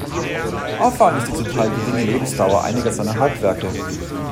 Auffallend ist die zum Teil geringe Lebensdauer einiger seiner Hauptwerke.